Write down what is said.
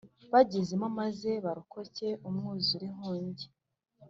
Bazajyemo Maze Barokoke Umwuzure Inkuge